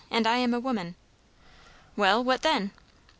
"And I am a woman." "Well, what then?"